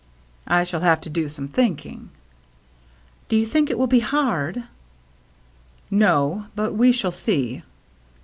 " I shall have to do some thinking." " Do you think it will be hard ?"" No, but we shall see.